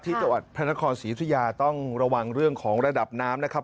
จังหวัดพระนครศรียุธยาต้องระวังเรื่องของระดับน้ำนะครับ